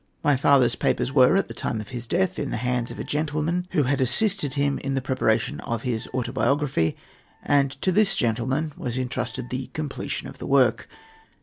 My father's papers were, at the time of his death, in the hands of a gentleman who had assisted him in the preparation of his "Autobiography," and to this gentleman was entrusted the completion of the work.